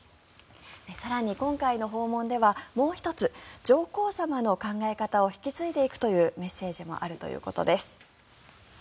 更に、今回の訪問ではもう１つ上皇さまの考え方を引き継いでいくというメッセージもあるということです。